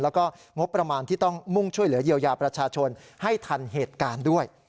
แล้วก็งบประมาณที่ต้องมุ่งช่วยเหลือเยียวยาประชาชนให้ทันเหตุการณ์ด้วย